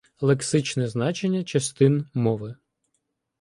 Лексичне значення частин мови